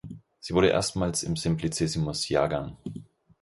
Sie wurde erstmals im Simplicissimus, Jg.